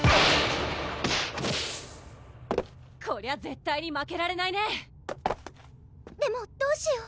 こりゃ絶対に負けられないねでもどうしよう？